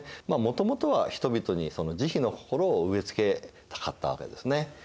まあもともとは人々に慈悲の心を植え付けたかったわけですね。